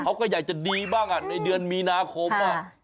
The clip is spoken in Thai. เขาก็อยากจะดีบ้างในเดือนมีนาคม